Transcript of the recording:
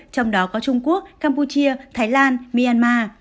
trong đó có trung quốc campuchia thái lan myanmar